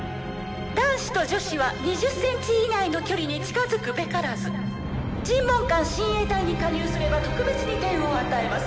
男子と女子は２０センチ以内の距離に近づくべからず尋問官親衛隊に加入すれば特別に点を与えます